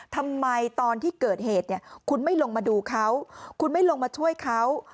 ทำไมตอนที่เกิดเหตุเนี่ยคุณไม่ลงมาดูเขาคุณไม่ลงมาช่วยเขา